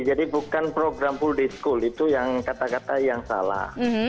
jadi bukan program full day school itu yang kata kata yang salah